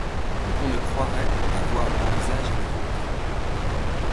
Qu'on ne croirait, à voir mon visage et le vôtre ;